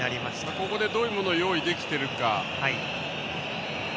ここでどういうものを用意できているか。